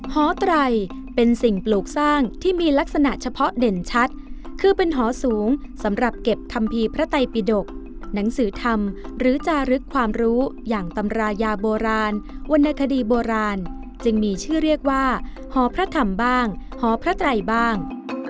หอไตรเป็นสิ่งปลูกสร้างที่มีลักษณะเฉพาะเด่นชัดคือเป็นหอสูงสำหรับเก็บคัมภีร์พระไตปิดกหนังสือธรรมหรือจารึกความรู้อย่างตำรายาโบราณวรรณคดีโบราณจึงมีชื่อเรียกว่าหอพระธรรมบ้างหอพระไตรบ้าง